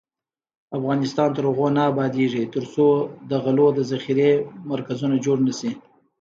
افغانستان تر هغو نه ابادیږي، ترڅو د غلو د ذخیرې مرکزونه جوړ نشي.